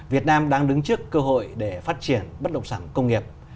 việt nam đang đứng trước cơ hội để phát triển bất động sản công nghiệp